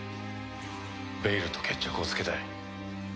ベイルと決着をつけたい。